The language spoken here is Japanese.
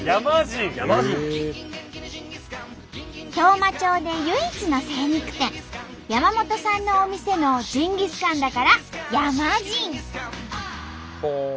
当麻町で唯一の精肉店山本さんのお店のジンギスカンだからヤマジン。